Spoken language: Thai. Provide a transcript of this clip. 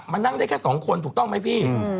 นั่งได้แค่๒คนถูกต้องไหมพี่